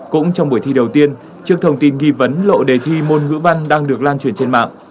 cũng trong buổi thi đầu tiên trước thông tin nghi vấn lộ đề thi môn ngữ văn đang được lan truyền trên mạng